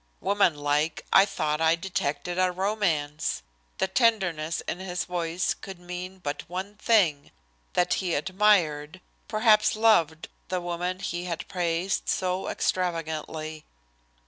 Woman like, I thought I detected a romance. The tenderness in his voice could mean but one thing, that he admired, perhaps loved the woman he had praised so extravagantly.